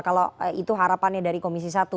kalau itu harapannya dari komisi satu